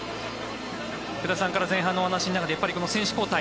福田さんから前半のお話の中でこの選手交代